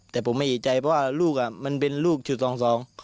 แต่ผมไม่อยู่ใจเพราะว่าลูกมันเป็นลูกชุดซอง